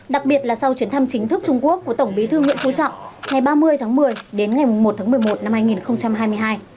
đặc biệt là sau chuyến thăm chính thức trung quốc của tổng bí thư nguyễn phú trọng ngày ba mươi tháng một mươi đến ngày một tháng một mươi một năm hai nghìn hai mươi hai